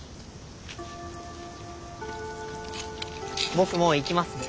僕もう行きますね。